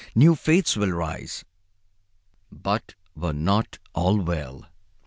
New faiths will rise. But were not all well?"